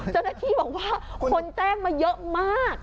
เจ้าหน้าที่บอกว่าคนแจ้งมาเยอะมาก